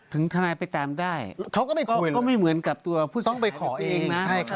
ทนายไปตามได้เขาก็ไม่เหมือนกับตัวผู้ต้องไปขอเองนะ